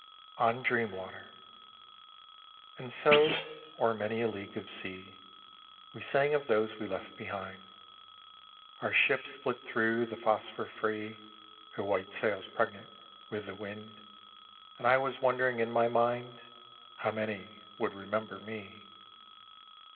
ON DREAM WATER And so, o'er many a league of sea We sang of those we left behind. Our ship split thro' the phosphor free, Her white sails pregnant with the wind, And I was wondering in my mind How many would remember me.